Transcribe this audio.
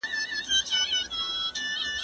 زه به اوږده موده د کتابتون د کار مرسته کړې وم؟!